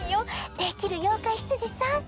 できる妖怪執事さん。